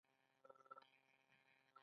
کله چې افغانستان کې ولسواکي وي زغم زیاتیږي.